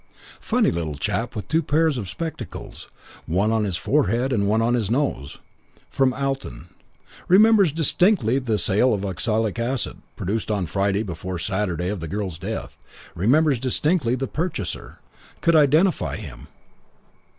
Funny little chap with two pairs of spectacles, one on his forehead and one on his nose. From Alton. Remembers distinctly sale of oxalic acid (produced) on Friday before the Saturday of the girl's death. Remembers distinctly the purchaser, could identify him.